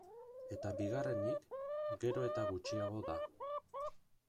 Eta bigarrenik, gero eta gutxiago da.